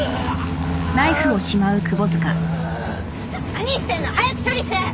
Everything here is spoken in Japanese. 何してんの？早く処理して！